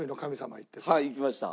はい行きました。